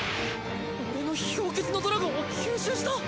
俺の氷結のドラゴンを吸収した！？